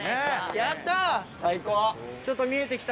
やった。